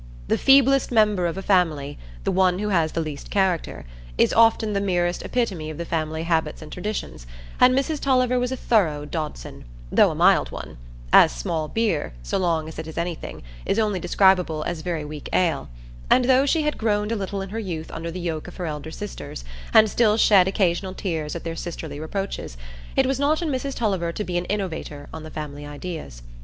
The feeblest member of a family—the one who has the least character—is often the merest epitome of the family habits and traditions; and Mrs Tulliver was a thorough Dodson, though a mild one, as small beer, so long as it is anything, is only describable as very weak ale: and though she had groaned a little in her youth under the yoke of her elder sisters, and still shed occasional tears at their sisterly reproaches, it was not in Mrs Tulliver to be an innovator on the family ideas.